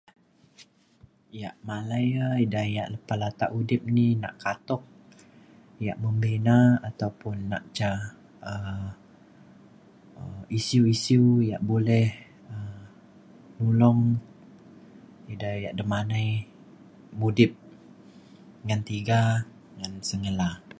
yak malai e ida yak lepah latak udip ni nak katuk yak membina ataupun nak ca um isiu isiu yak boleh um nulong ida yak demanai mudip ngan tiga ngan sengela.